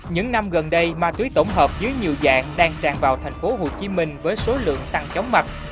những năm gần đây ma túy tổng hợp dưới nhiều dạng đang tràn vào tp hcm với số lượng tăng chống mạch